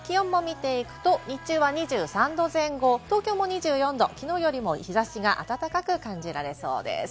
気温も見ていくと、日中は２３度前、東京も２４度、きのうよりも日差しが暖かく感じられそうです。